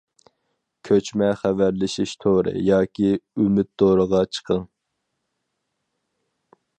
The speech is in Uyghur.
كۆچمە خەۋەرلىشىش تورى ياكى ئۈمىد تورىغا چىقىڭ.